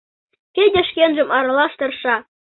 — Федя шкенжым аралаш тырша.